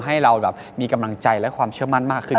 ให้เราแบบมีกำลังใจและความเชื่อมั่นมากขึ้น